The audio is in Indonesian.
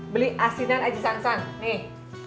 beli asinan aji sansan nih